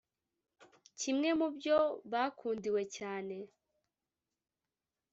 kimwe mu byo bakundiwe cyane